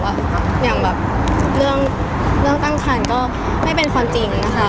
ว่าเรื่องเต้องทัลก็ไม่เป็นความจริงนะคะ